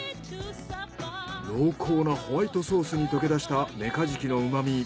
濃厚なホワイトソースに溶け出したメカジキのうま味。